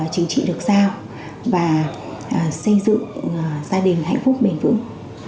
chính trị được giao và xây dựng gia đình hạnh phúc bền vững